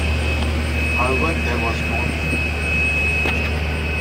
However, there was no deal.